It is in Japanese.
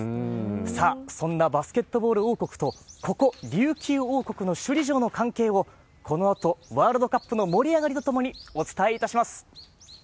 さあ、そんなバスケットボール王国と、ここ琉球王国の首里城の関係を、このあと、ワールドカップの盛り上がりとともにお伝えいたします。